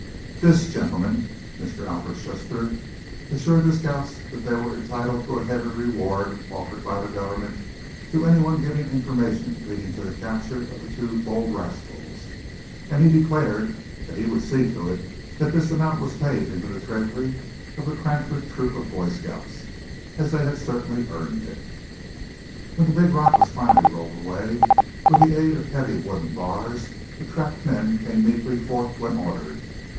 This gentleman, Mr. Alfred Shuster, assured the scouts that they were entitled to the heavy reward offered by the Government to any one giving information leading to the capture of the two bold rascals; and he declared that he would see to it that this amount was paid into the treasury of the Cranford Troop of Boy Scouts, as they had certainly earned it. When the big rock was finally rolled away, with the aid of heavy wooden bars, the trapped men came meekly forth when ordered.